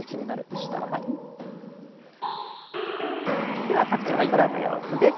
では各地の空の様子です。